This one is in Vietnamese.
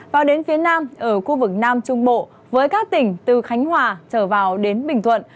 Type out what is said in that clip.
vào đến phía nam ở khu vực nam trung bộ với các tỉnh từ khánh hòa trở vào đến bình thuận